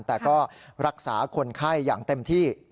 แต่ก็รักษาคนไข้อย่างเต็มที่